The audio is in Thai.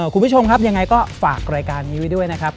คุณผู้ชมครับยังไงก็ฝากรายการนี้ไว้ด้วยนะครับ